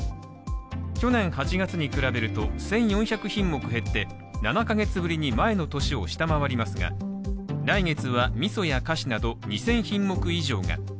去年８月に比べると１４００品目減って７か月ぶりに前の年を下回りますが、来月はみそや菓子など２０００品目以上が。